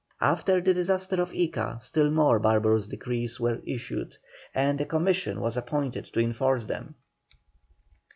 After the disaster of Ica still more barbarous decrees were issued, and a commission was appointed to enforce them.